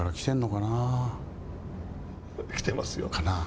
来てますよ。かな？